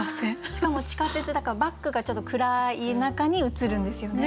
しかも地下鉄だからバックがちょっと暗い中に映るんですよね。